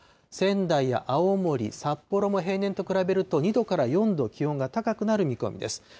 仙台や青森、札幌も平年と比べると、２度から４度気温が高くなる見込みです。